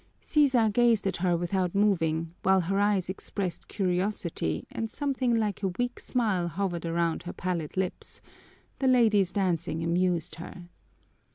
Sisa gazed at her without moving, while her eyes expressed curiosity and something like a weak smile hovered around her pallid lips: the lady's dancing amused her.